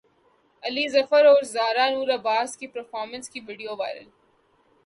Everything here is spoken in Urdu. علی ظفر اور زارا نور عباس کی پرفارمنس کی ویڈیو وائرل